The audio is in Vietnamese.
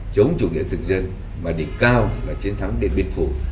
chống chủ nghĩa thực dân mà đỉnh cao là chiến thắng điện biên phủ